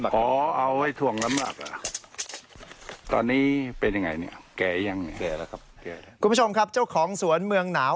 คุณผู้ชมครับเจ้าของสวนเมืองหนาว